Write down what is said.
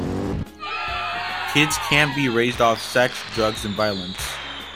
Kids can't be raised off sex, drugs and violence.